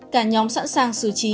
cả nhóm sẵn sàng xử trí